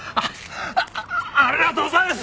ありがとうございます！